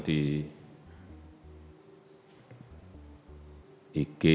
di bawahan kita